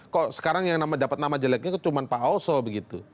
kok sekarang yang dapat nama jeleknya itu cuma pak oso begitu